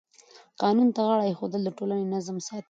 قانون ته غاړه ایښودل د ټولنې نظم ساتي.